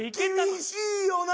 厳しいよな？